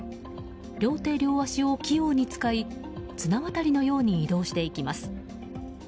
両手・両足を器用に使い綱渡りのように移動していきます。